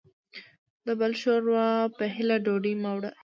دبل دشوروا په هیله ډوډۍ مه وړه وه